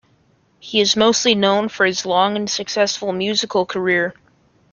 He is mostly known for his long and successful musical career.